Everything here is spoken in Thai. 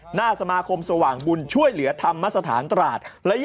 หน้าสมาคมสว่างบุญช่วยเหลือธรรมสถานตราด